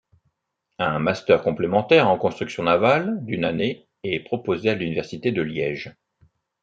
Un Master complémentaire en construction navale d'une année est proposé à l'Université de Liège.